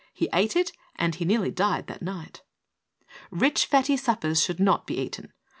He ate it, and he nearly died that night. Rich, fatty suppers should not be eaten.